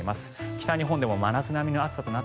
北日本でも真夏並みの暑さです。